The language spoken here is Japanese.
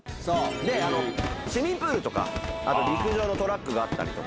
市民プールとか陸上のトラックがあったりとか。